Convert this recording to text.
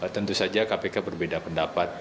tentu saja kpk berbeda pendapat